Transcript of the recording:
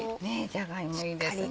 じゃが芋いいですね